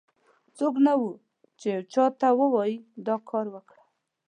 څوک نه و، چې یو چا ته ووایي دا کار وکړه.